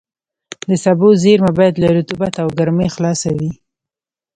د سبو زېرمه باید له رطوبت او ګرمۍ خلاصه وي.